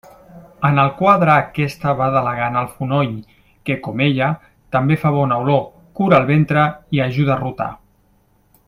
En el quadre aquesta va delegar en el fonoll, que, com ella, també fa bona olor, cura el ventre i ajuda a rotar.